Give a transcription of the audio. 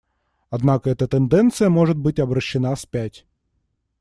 Однако эта тенденция может быть обращена вспять.